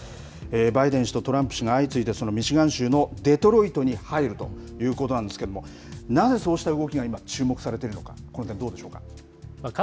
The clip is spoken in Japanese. バイデン氏とトランプ氏が相次いでミシガン州のデトロイトに入るということなんですけれども、なぜそうした動きが今、注目されているのか、この点、どうでしょうか。